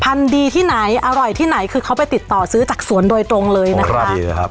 ดีที่ไหนอร่อยที่ไหนคือเขาไปติดต่อซื้อจากสวนโดยตรงเลยนะครับดีนะครับ